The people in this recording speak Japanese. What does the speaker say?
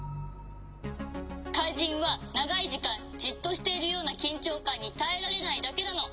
かいじんはながいじかんじっとしているようなきんちょうかんにたえられないだけなの」。